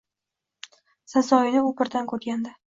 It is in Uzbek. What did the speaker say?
Sazoyini u birda ko‘rgandi.